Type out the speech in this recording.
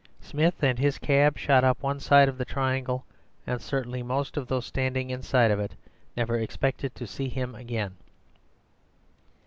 Smith and his cab shot up one side of the triangle, and certainly most of those standing inside of it never expected to see him again.